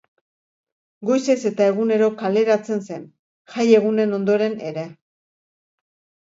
Goizez eta egunero kaleratzen zen, jai egunen ondoren ere.